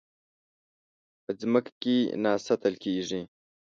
په ځمکه کې نه ساتل کېږي.